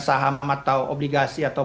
saham atau obligasi atau